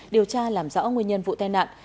điều tra làm rõ nguyên nhân vụ tai nạn